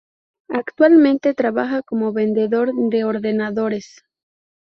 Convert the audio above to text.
Actualmente trabaja como vendedor de ordenadores.